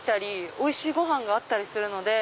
おいしいごはんがあったりするので。